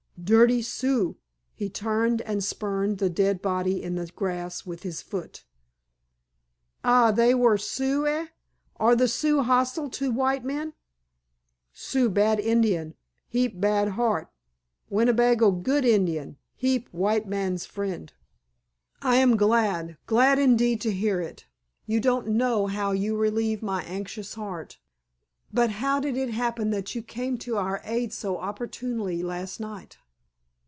"Dirty Sioux." He turned and spurned the dead body in the grass with his foot. "Ah, they were Sioux, eh? Are the Sioux hostile to white men?" "Sioux bad Indian. Heap bad heart. Winnebago good Indian. Heap white man's friend." "I am glad, glad indeed to hear it. You don't know how you relieve my anxious heart. But how did it happen that you came to our aid so opportunely last night?"